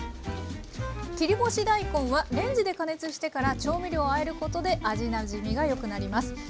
切り干し大根はレンジで加熱してから調味料をあえることで味なじみがよくなります。